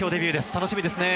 楽しみですね。